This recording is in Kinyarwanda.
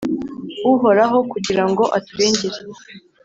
Uhoraho, kugira ngo aturengere,